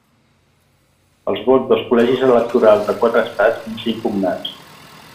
Els vots dels col·legis electorals de quatre estats van ser impugnats.